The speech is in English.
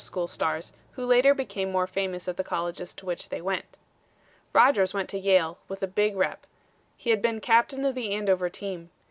school stars, who later became more famous at the colleges to which they went. Rodgers went to Yale with a big rep. He had been captain of the Andover team.